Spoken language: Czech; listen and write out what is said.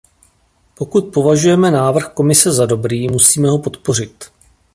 Pokud považujeme návrh Komise za dobrý, musíme ho podpořit.